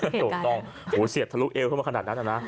เหตุการณ์ถูกต้องโหเสียบทะลุเอวเข้ามาขนาดนั้นอ่ะนะ